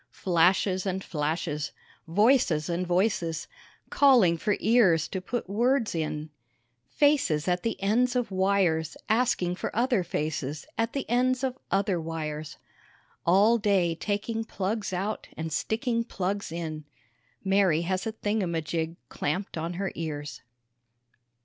Flashes and flashes voies and voices calling for ears to put words in Faces at the ends of wires asking for other faces at the ends of other wires: All day taking plugs out and sticking plugs in, Mary has a thingamajig clamped on her ears.